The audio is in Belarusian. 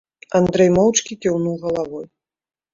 Андрэй моўчкі кіўнуў галавой.